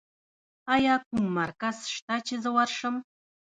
ایا کوم مرکز شته چې زه ورشم؟